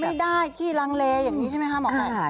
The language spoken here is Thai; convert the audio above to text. ไม่ได้ขี้ลังเลอย่างนี้ใช่ไหมคะหมอไก่